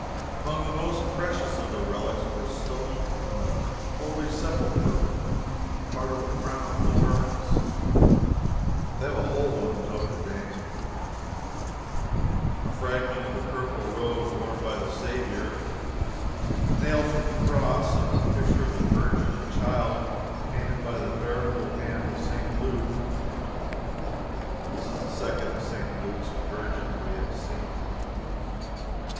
Among the most precious of the relics were a stone from the Holy Sepulchre, part of the crown of thorns, (they have a whole one at Notre Dame,) a fragment of the purple robe worn by the Saviour, a nail from the Cross, and a picture of the Virgin and Child painted by the veritable hand of St. Luke. This is the second of St. Luke's Virgins we have seen.